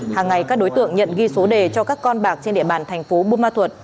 hàng ngày các đối tượng nhận ghi số đề cho các con bạc trên địa bàn thành phố bô ma thuật